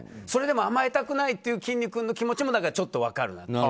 それでも甘えたくないというきんに君の気持ちもちょっと分かる。